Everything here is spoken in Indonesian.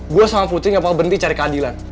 gue sama putri gak mau berhenti cari keadilan